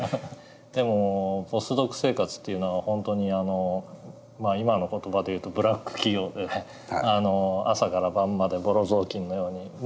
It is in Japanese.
でもポスドク生活っていうのは本当にあの今の言葉で言うとブラック企業でね朝から晩までぼろ雑巾のように。